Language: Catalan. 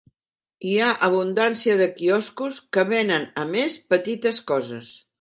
Hi ha abundància de quioscos que venen a més petites coses.